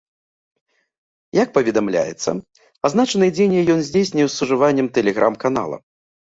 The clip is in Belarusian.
Як паведамляецца, азначаныя дзеянні ён здзейсніў з ужываннем тэлеграм-канала.